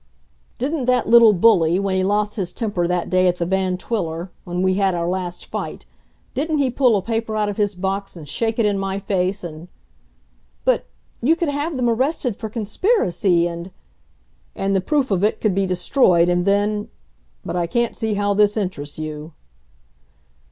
"Didn't that little bully, when he lost his temper that day at the Van Twiller, when we had our last fight didn't he pull a paper out of his box and shake it in my face, and " "But you could have them arrested for conspiracy and " "And the proof of it could be destroyed and then but I can't see how this interests you."